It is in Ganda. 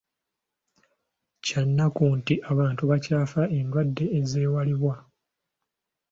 Kya nnaku nti abantu bakyafa endwadde ezeewalibwa.